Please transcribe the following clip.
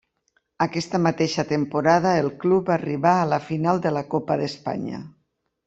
Aquesta mateixa temporada el club arribà a la final de la Copa d'Espanya.